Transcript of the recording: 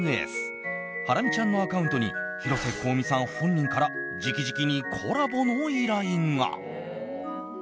ハラミちゃんのアカウントに広瀬香美さん本人から直々にコラボの依頼が。